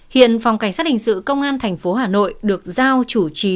hiện phòng cảnh sát hình sự công an thành phố hà nội được giao chủ trì